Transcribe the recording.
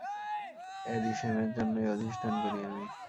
আরিশেমের জন্যই অধিষ্ঠান করি আমি।